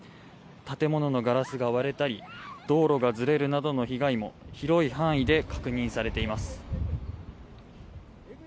建物のガラスが割れたり道路がずれるなどの被害も広い範囲で確認されています。